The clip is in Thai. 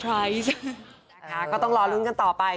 ค่ะก็ต้องรอเรื่องกันต่อไป